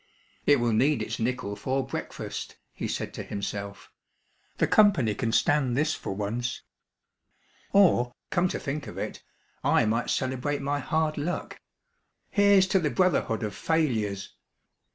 "It will need its nickel for breakfast," he said to himself. "The company can stand this for once. Or, come to think of it, I might celebrate my hard luck. Here's to the brotherhood of failures!"